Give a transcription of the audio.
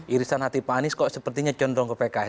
irisan hati pak anies kok sepertinya condong ke pks